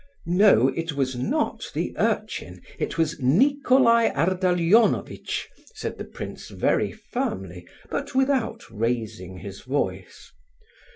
"No, it was not the urchin: it was Nicolai Ardalionovitch," said the prince very firmly, but without raising his voice.